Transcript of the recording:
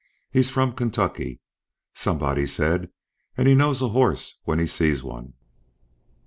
He's from Kentucky, somebody said, and knows a horse when he sees one."